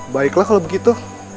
baiklah kalau begitu